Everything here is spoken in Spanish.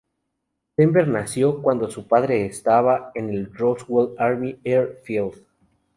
Denver nació cuando su padre estaba en el Roswell Army Air Field.